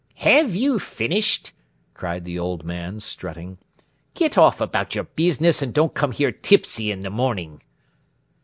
"Have you finished?" cried the old man, strutting. "Get off about your business, and don't come here tipsy in the morning."